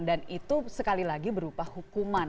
dan itu sekali lagi berupa hukuman